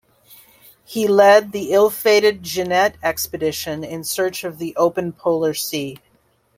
He led the ill-fated Jeannette Expedition in search of the Open Polar Sea.